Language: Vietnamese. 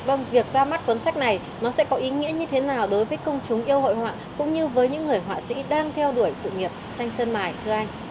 vâng việc ra mắt cuốn sách này nó sẽ có ý nghĩa như thế nào đối với công chúng yêu hội họa cũng như với những người họa sĩ đang theo đuổi sự nghiệp tranh sơn mài thưa anh